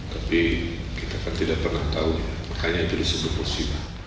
tapi kita kan tidak pernah tahu makanya jadi sebuah kursi